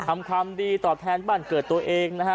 ทำความดีตอบแทนบ้านเกิดตัวเองนะฮะ